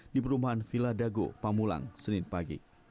di perumahan villa dago pamulang senin pagi